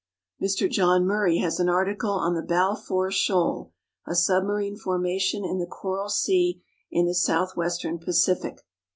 Mr John Murray has an article on the Balfour Shoal, a submarine formation in the Coral sea, in the southwestern Pacific.